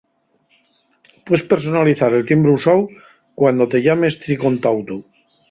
Pues personalizar el timbre usáu cuando te llame esti contautu.